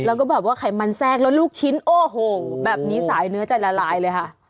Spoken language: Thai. แล้วก็แบบว่าไขมันแทรกแล้วลูกชิ้นโอ้โหแบบนี้สายเนื้อใจละลายเลยค่ะ